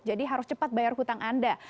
jadi harus cepat bayar hutang anda